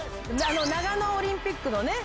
長野オリンピックのね